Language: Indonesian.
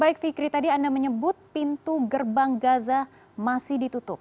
baik fikri tadi anda menyebut pintu gerbang gaza masih ditutup